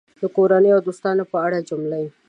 د کورنۍ او دوستانو په اړه جملې